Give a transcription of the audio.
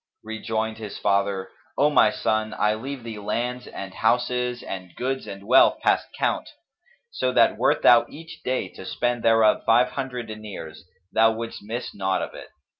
Rejoined his father, "O my son, I leave thee lands and houses and goods and wealth past count; so that wert thou each day to spend thereof five hundred dinars, thou wouldst miss naught of it.